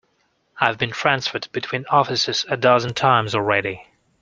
I've been transferred between offices a dozen times already.